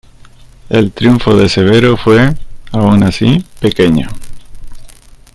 El triunfo de Severo fue, aun así, pequeño.